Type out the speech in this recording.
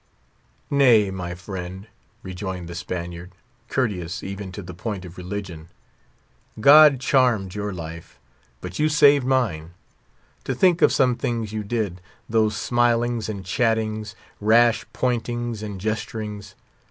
"Nay, my friend," rejoined the Spaniard, courteous even to the point of religion, "God charmed your life, but you saved mine. To think of some things you did—those smilings and chattings, rash pointings and gesturings.